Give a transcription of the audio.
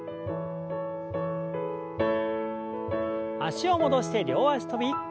脚を戻して両脚跳び。